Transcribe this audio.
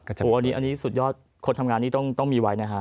อันนี้สุดยอดคนทำงานนี้ต้องมีไว้นะฮะ